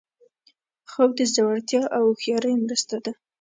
خوب د زړورتیا او هوښیارۍ مرسته ده